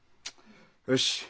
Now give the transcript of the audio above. よし。